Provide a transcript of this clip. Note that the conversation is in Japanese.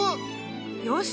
よし！